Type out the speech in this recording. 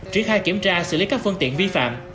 triển khai kiểm tra xử lý các phương tiện vi phạm